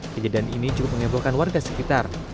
kejadian ini cukup mengebohkan warga sekitar